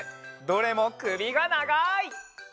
どれもくびがながい！